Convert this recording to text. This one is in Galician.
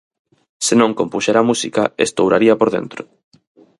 Se non compuxera música estouraría por dentro.